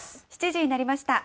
７時になりました。